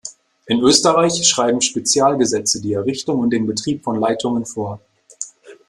In Österreich schreiben Spezialgesetze die Errichtung und den Betrieb von Leitungen vor.